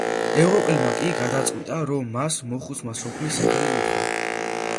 ევროპელმა კი გადაწყვიტა, რომ მას მოხუცმა სოფლის სახელი უთხრა.